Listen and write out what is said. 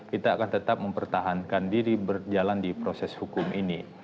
kita akan tetap mempertahankan diri berjalan di proses hukum ini